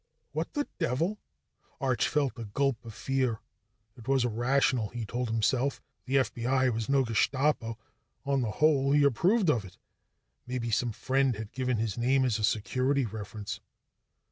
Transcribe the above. "What the devil?" Arch felt a gulp of fear. It was irrational he told himself. The FBI was no Gestapo; on the whole, he approved of it. Maybe some friend had given his name as a security reference.